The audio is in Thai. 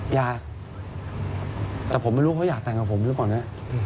อยากแต่ผมไม่รู้เขาอยากแต่งกับผมหรือเปล่าเนี่ย